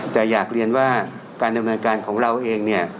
แต่อยากเรียนว่าการดำเนินการของเราเองเนี่ย